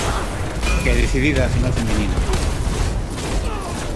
E decidida a final feminina.